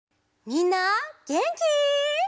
みんなげんき？